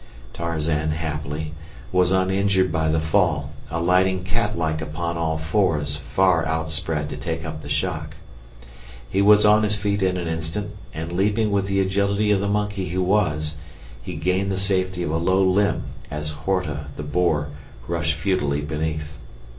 Tarzan, happily, was uninjured by the fall, alighting catlike upon all fours far outspread to take up the shock. He was on his feet in an instant and, leaping with the agility of the monkey he was, he gained the safety of a low limb as Horta, the boar, rushed futilely beneath.